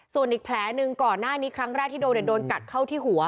ส่วนอีกแผลหนึ่งก่อนหน้านี้ครั้งแรกที่โดนโดนกัดเข้าที่หัว